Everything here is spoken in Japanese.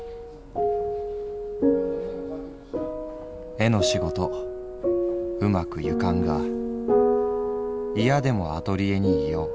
「絵の仕事うまくゆかんが嫌でもアトリエにいよう。